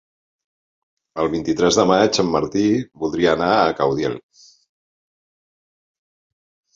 El vint-i-tres de maig en Martí voldria anar a Caudiel.